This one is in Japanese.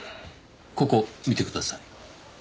ここ見てください。